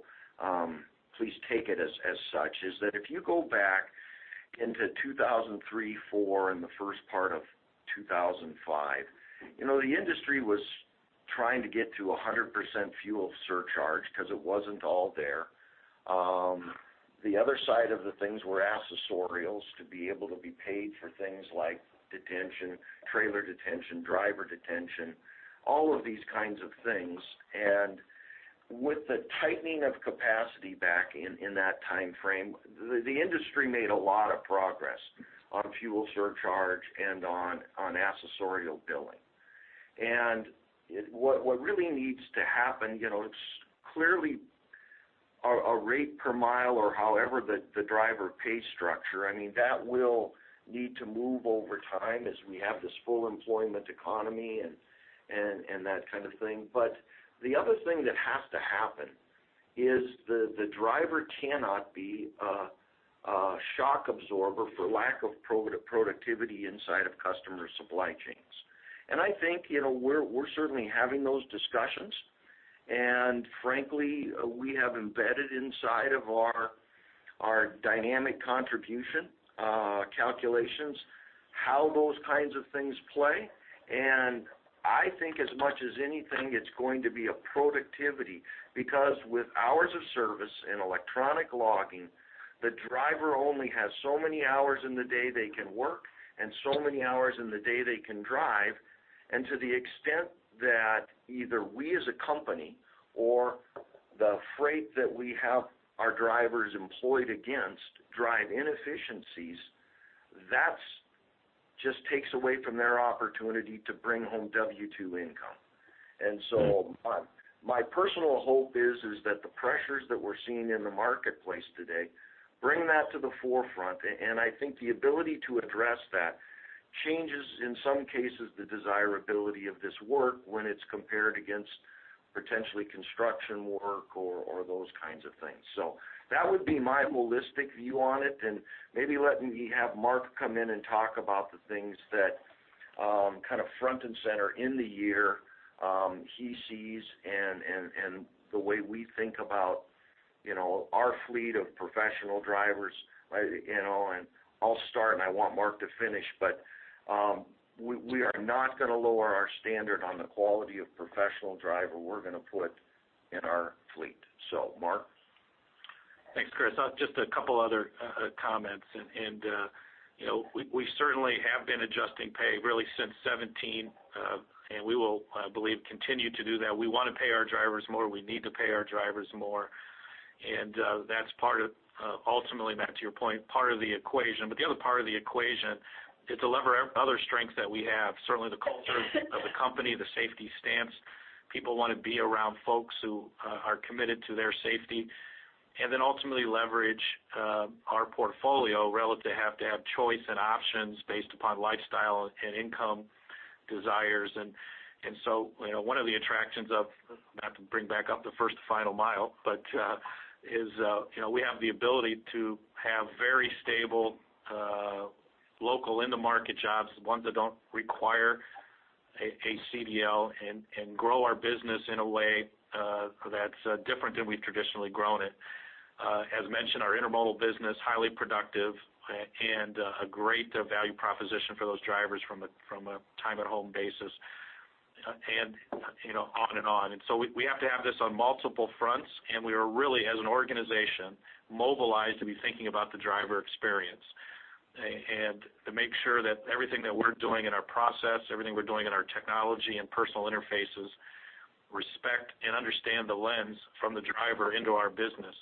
please take it as such, if you go back into 2003, 2004, and the first part of 2005, you know, the industry was trying to get to 100% fuel surcharge 'cause it wasn't all there. The other side of things were accessorials to be able to be paid for things like detention, trailer detention, driver detention, all of these kinds of things. With the tightening of capacity back in that timeframe, the industry made a lot of progress on fuel surcharge and on accessorial billing. And what really needs to happen, you know, it's clearly a rate per mile or however the driver pays structure. I mean, that will need to move over time as we have this full-employment economy and that kinda thing. But the other thing that has to happen is the driver cannot be a shock absorber for lack of pro-productivity inside of customer supply chains. And I think, you know, we're certainly having those discussions. And frankly, we have embedded inside of our dynamic contribution calculations how those kinds of things play. And I think as much as anything, it's going to be a productivity because with hours of service and electronic logging, the driver only has so many hours in the day they can work and so many hours in the day they can drive. And to the extent that either we as a company or the freight that we have our drivers employed against drive inefficiencies, that's just takes away from their opportunity to bring home W-2 income. And so, my personal hope is that the pressures that we're seeing in the marketplace today bring that to the forefront. And I think the ability to address that changes, in some cases, the desirability of this work when it's compared against potentially construction work or those kinds of things. So that would be my holistic view on it. And maybe letting me have Mark come in and talk about the things that, kinda front and center in the year, he sees and the way we think about, you know, our fleet of professional drivers, right, you know? And I'll start, and I want Mark to finish. But, we are not gonna lower our standard on the quality of professional driver we're gonna put in our fleet. So, Mark. Thanks, Chris. I'll just a couple other comments. And you know, we certainly have been adjusting pay really since 2017, and we will, I believe, continue to do that. We wanna pay our drivers more. We need to pay our drivers more. And that's part of ultimately, Matt, to your point, part of the equation. But the other part of the equation, it's a lever. Other strengths that we have, certainly the culture of the company, the safety stance. People wanna be around folks who are committed to their safety. And then ultimately leverage our portfolio relative to have to have choice and options based upon lifestyle and income desires. And so, you know, one of the attractions of not to bring back up the first to final mile, but is, you know, we have the ability to have very stable, local in-the-market jobs, ones that don't require a CDL, and grow our business in a way that's different than we've traditionally grown it. As mentioned, our intermodal business, highly productive, and a great value proposition for those drivers from a time-at-home basis. And you know, on and on. And so we have to have this on multiple fronts. And we are really, as an organization, mobilized to be thinking about the driver experience, and to make sure that everything that we're doing in our process, everything we're doing in our technology and personal interfaces respect and understand the lens from the driver into our business.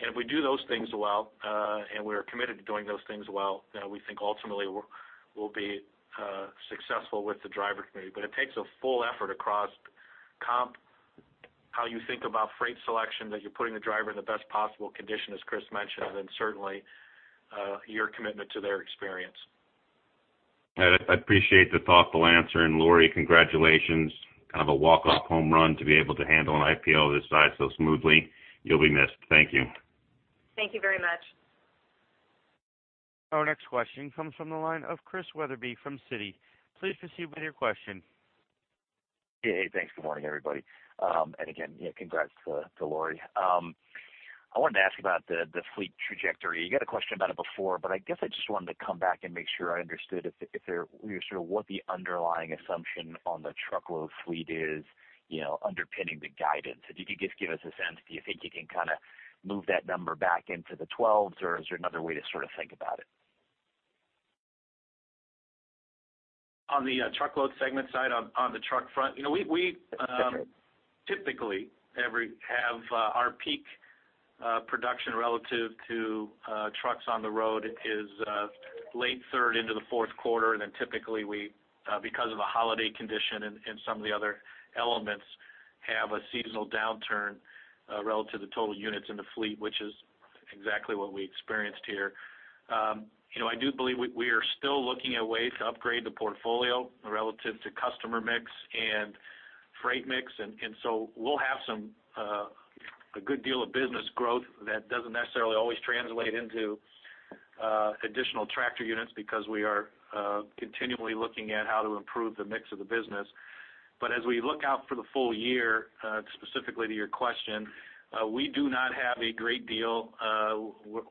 And if we do those things well, and we are committed to doing those things well, then we think ultimately we'll, we'll be successful with the driver community. But it takes a full effort across comp, how you think about freight selection, that you're putting the driver in the best possible condition, as Chris mentioned, and then certainly your commitment to their experience. I'd appreciate the thoughtful answer. Lori, congratulations. Kind of a walk-off home run to be able to handle an IPO this size so smoothly. You'll be missed. Thank you. Thank you very much. Our next question comes from the line of Chris Wetherbee from Citi. Please proceed with your question. Hey, hey. Thanks. Good morning, everybody. Again, you know, congrats to, to Lori. I wanted to ask about the, the fleet trajectory. You got a question about it before. But I guess I just wanted to come back and make sure I understood if, if there you know, sort of what the underlying assumption on the truckload fleet is, you know, underpinning the guidance. If you could just give us a sense, do you think you can kinda move that number back into the 12s? Or is there another way to sort of think about it? On the truckload segment side, on the truck front, you know, we... That's, that's right. Typically, our peak production relative to trucks on the road is late third into the fourth quarter. And then typically, we, because of the holiday condition and some of the other elements, have a seasonal downturn relative to total units in the fleet, which is exactly what we experienced here. You know, I do believe we are still looking at ways to upgrade the portfolio relative to customer mix and freight mix. And so we'll have a good deal of business growth that doesn't necessarily always translate into additional tractor units because we are continually looking at how to improve the mix of the business. But as we look out for the full year, specifically to your question, we do not have a great deal.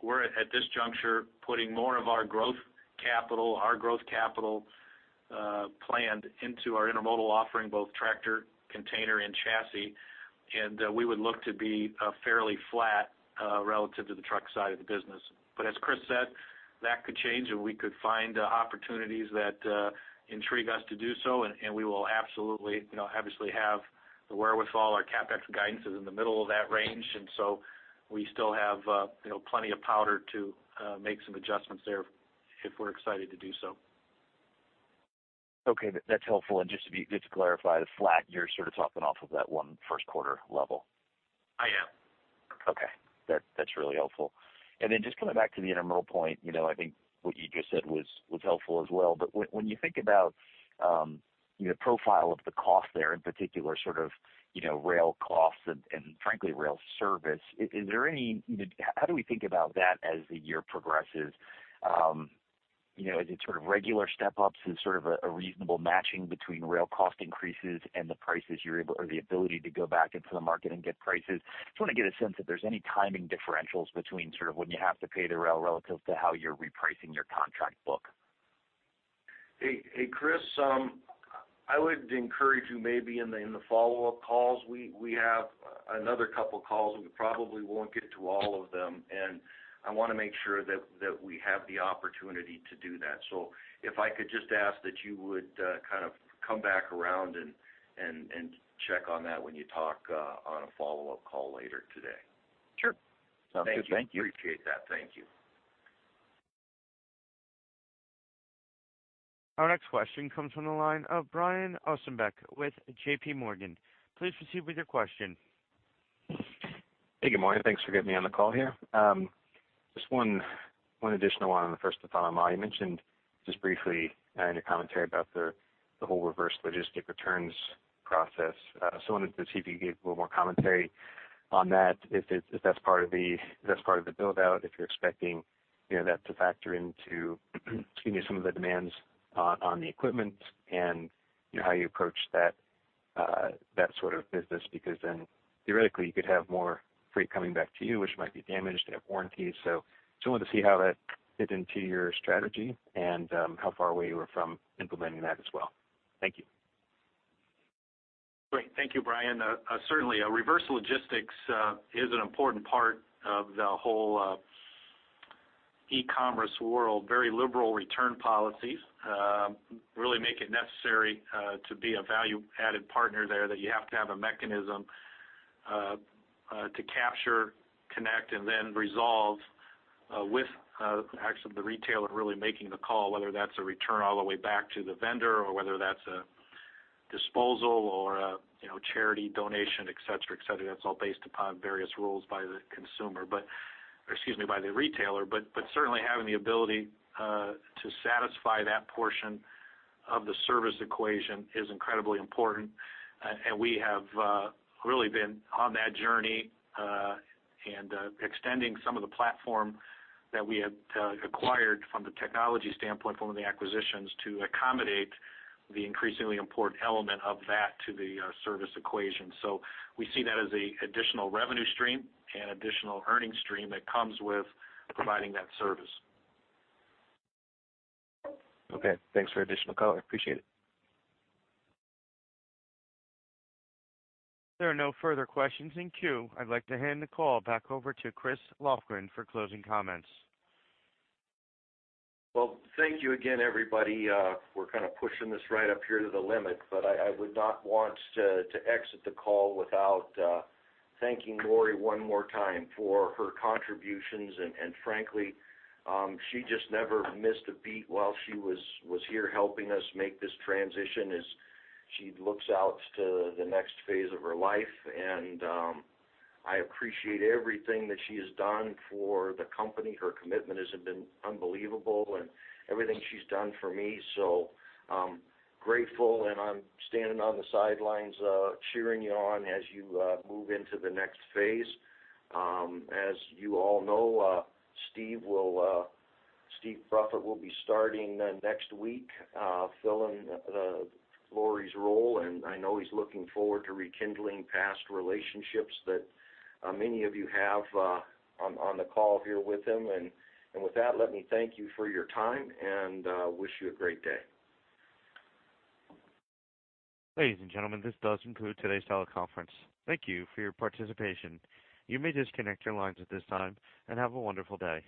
We're at this juncture putting more of our growth capital planned into our intermodal offering, both tractor, container, and chassis. And we would look to be fairly flat relative to the truck side of the business. But as Chris said, that could change. And we could find opportunities that intrigue us to do so. And we will absolutely, you know, obviously have the wherewithal. Our CapEx guidance is in the middle of that range. And so we still have, you know, plenty of powder to make some adjustments there if we're excited to do so. Okay. That's helpful. And just to clarify, the flat, you're sort of talking off of that 1 first quarter level? I am. Okay. That's really helpful. And then just coming back to the intermodal point, you know, I think what you just said was helpful as well. But when you think about, you know, profile of the cost there in particular, sort of, you know, rail costs and, and frankly, rail service, is there any you know, how do we think about that as the year progresses? You know, is it sort of regular step-ups? Is sort of a reasonable matching between rail cost increases and the prices you're able or the ability to go back into the market and get prices? Just wanna get a sense if there's any timing differentials between sort of when you have to pay the rail relative to how you're repricing your contract book. Hey, hey, Chris. I would encourage you maybe in the follow-up calls. We have another couple calls. We probably won't get to all of them. And I wanna make sure that we have the opportunity to do that. So if I could just ask that you would kind of come back around and check on that when you talk on a follow-up call later today. Sure. Sounds good. Thank you. Thank you. Appreciate that. Thank you. Our next question comes from the line of Brian Ossenbeck with J.P. Morgan. Please proceed with your question. Hey, good morning. Thanks for getting me on the call here. Just one additional one on the first thought on my— you mentioned just briefly, in your commentary about the, the whole reverse logistics returns process. So I wanted to see if you could give a little more commentary on that, if that's part of the build-out, if you're expecting, you know, that to factor into— excuse me, some of the demands on, on the equipment and, you know, how you approach that, that sort of business. Because then theoretically, you could have more freight coming back to you, which might be damaged. They have warranties. So just wanted to see how that fit into your strategy and, how far away you were from implementing that as well. Thank you. Great. Thank you, Brian. Certainly, reverse logistics is an important part of the whole e-commerce world. Very liberal return policies really make it necessary to be a value-added partner there that you have to have a mechanism to capture, connect, and then resolve, with actually the retailer really making the call, whether that's a return all the way back to the vendor or whether that's a disposal or a, you know, charity, donation, etc., etc. That's all based upon various rules by the consumer but or excuse me, by the retailer. But certainly, having the ability to satisfy that portion of the service equation is incredibly important. And we have really been on that journey, and extending some of the platform that we had acquired from the technology standpoint, from one of the acquisitions, to accommodate the increasingly important element of that to the service equation. We see that as an additional revenue stream and additional earnings stream that comes with providing that service. Okay. Thanks for additional color. Appreciate it. There are no further questions in queue. I'd like to hand the call back over to Chris Lofgren for closing comments. Well, thank you again, everybody. We're kinda pushing this right up here to the limit. But I would not want to exit the call without thanking Lori one more time for her contributions. And frankly, she just never missed a beat while she was here helping us make this transition as she looks out to the next phase of her life. I appreciate everything that she has done for the company. Her commitment has been unbelievable and everything she's done for me. So grateful. I'm standing on the sidelines, cheering you on as you move into the next phase. As you all know, Steve Bruffett will be starting next week, filling Lori's role. I know he's looking forward to rekindling past relationships that many of you have on the call here with him. With that, let me thank you for your time and wish you a great day. Ladies and gentlemen, this does conclude today's teleconference. Thank you for your participation. You may disconnect your lines at this time and have a wonderful day.